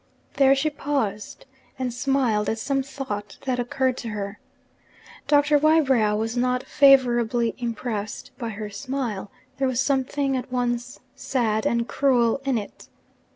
There she paused, and smiled at some thought that occurred to her. Doctor Wybrow was not favourably impressed by her smile there was something at once sad and cruel in it.